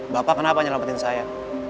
bapak kenapa nyelamatin saya